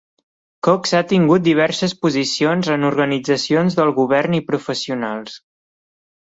Cox ha tingut diverses posicions en organitzacions del govern i professionals.